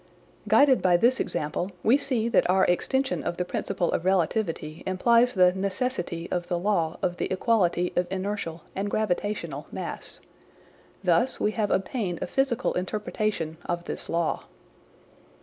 Guided by this example, we see that our extension of the principle of relativity implies the necessity of the law of the equality of inertial and gravitational mass. Thus we have obtained a physical interpretation of this law.